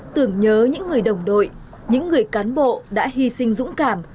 tưởng nhớ những người đồng đội những người cán bộ đã hy sinh dũng cảm